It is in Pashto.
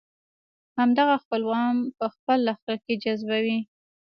همدغه خپلوان په خپل لښکر کې جذبوي.